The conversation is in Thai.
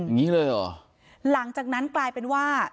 อย่างนี้เลยเหรอหลังจากนั้นกลายเป็นว่า